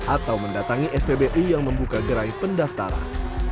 atau mendatangi spbu yang membuka gerai pendaftaran